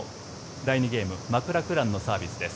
第２ゲームマクラクランのサービスです。